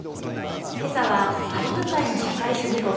けさは、カリブ海の社会主義国